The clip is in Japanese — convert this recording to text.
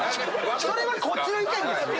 ⁉それはこっちの意見です！